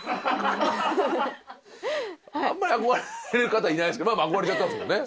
あんまり憧れる方いないですけど憧れちゃったんですもんね。